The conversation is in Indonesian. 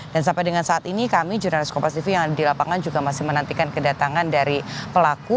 dan sampai dengan saat ini kami jurnalist kopas tv yang ada di lapangan juga masih menantikan kedatangan dari pelaku